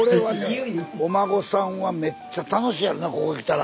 お孫さんはめっちゃ楽しいやろなここ来たら。